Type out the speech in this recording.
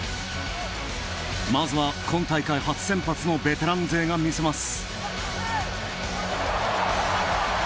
まずは、今大会初先発のベテラン勢が見せます。